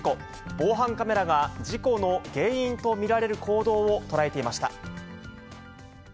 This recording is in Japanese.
防犯カメラが事故の原因と見られる行動を捉えていました。